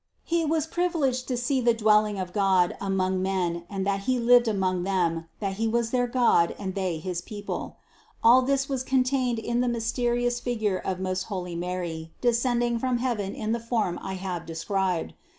He was privileged to see the dwelling of God among men and that He lived among them, that He was THE CONCEPTION 207 their God and they his people. All this was contained in the mysterious figure of most holy Mary descending from heaven in the form I have described.